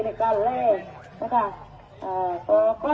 ในการแรงนะครับ